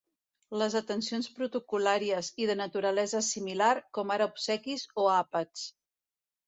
Les atencions protocol·làries i de naturalesa similar, com ara obsequis o àpats.